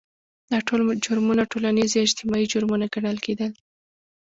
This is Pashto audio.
دا ټول جرمونه ټولنیز یا اجتماعي جرمونه ګڼل کېدل.